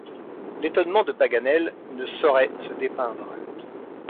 L’étonnement de Paganel ne saurait se dépeindre.